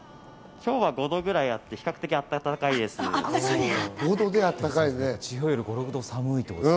今日は５度くらいあって、比較的あったかいです。